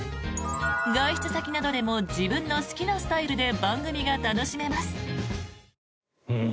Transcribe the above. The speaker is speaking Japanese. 外出先などでも自分の好きなスタイルで番組が楽しめます。